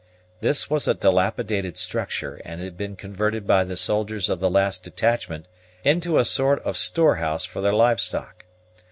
This was a dilapidated structure, and it had been converted by the soldiers of the last detachment into a sort of storehouse for their live stock.